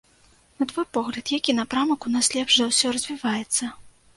На твой погляд, які напрамак у нас лепш за ўсё развіваецца?